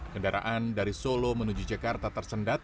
kendaraan dari solo menuju jakarta tersendat